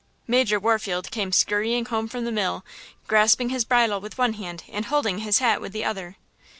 Major Warfield came skurrying home from the mill, grasping his bridle with one hand and holding his hat with the other.